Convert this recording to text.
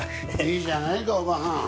いいじゃないかおばはん。